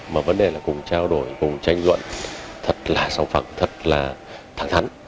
mà vấn đề là cùng trao đổi cùng tranh luận thật là song phẳng thật là thẳng thắn